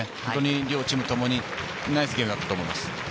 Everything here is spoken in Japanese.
両チームともにナイスゲームだったと思います。